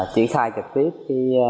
triển khai trực tiếp